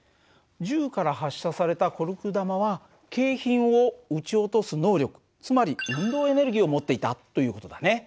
銃から発射されたコルク弾は景品を撃ち落とす能力つまり運動エネルギーを持っていたという事だね。